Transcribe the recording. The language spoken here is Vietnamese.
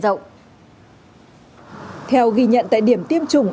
theo ghi nhận tại điểm tiêm chủng